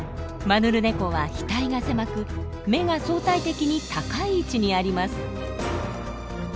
マヌルネコは額が狭く目が相対的に高い位置にあります。